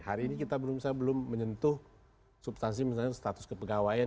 hari ini kita belum menyentuh substansi misalnya status kepegawaian